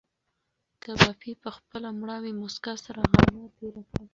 کبابي په خپله مړاوې موسکا سره غرمه تېره کړه.